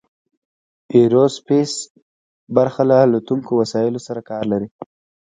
ایرو سپیس برخه له الوتونکو وسایلو سره کار لري.